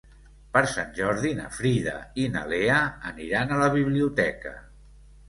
Per Sant Jordi na Frida i na Lea aniran a la biblioteca.